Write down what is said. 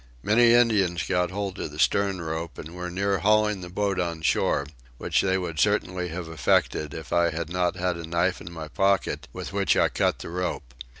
Many Indians got hold of the stern rope and were near hauling the boat on shore, which they would certainly have effected if I had not had a knife in my pocket with which I cut the rope.